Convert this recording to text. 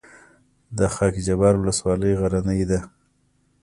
د خاک جبار ولسوالۍ غرنۍ ده